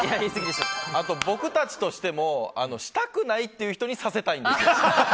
僕たちとしてもしたくないって人にさせたいんですよ。